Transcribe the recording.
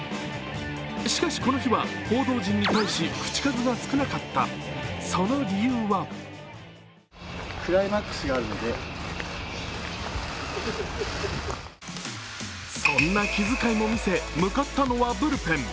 しかし、この日は報道陣に対し口数は少なかった、その理由はそんな気遣いも見せ、向かったのはブルペン。